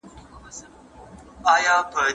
دا ډول ځان وژنه د فشار له امله وي.